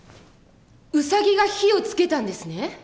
ウサギが火をつけたんですね？